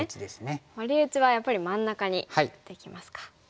ワリ打ちはやっぱり真ん中に打っていきますか。